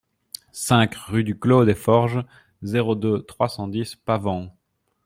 cinq rue du Clos des Forges, zéro deux, trois cent dix, Pavant